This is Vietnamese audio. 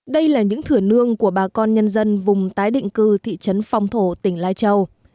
đây là những thửa nương của bà con nhân dân vùng tái định cư thị trấn phong thổ tỉnh lai châu